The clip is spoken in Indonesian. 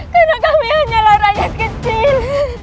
karena kami hanyalah rakyat kecil